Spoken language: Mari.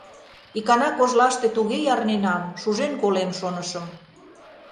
Икана кожлаште туге ярненам, шужен колем, шонышым.